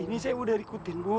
ini saya udah ikutin bu